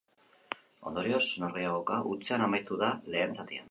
Ondorioz, norgehiagoka hutsean amaitu da lehen zatian.